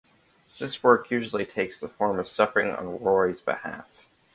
This work usually takes the form of suffering on Rory's behalf.